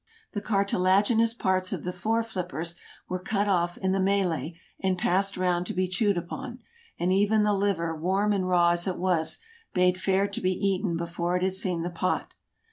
The cartilaginous parts of the fore flippers were cut off in the melee and passed round to be chewed upon; and even the liver, warm and raw as it was, bade fair to be eaten before it had seen the pot.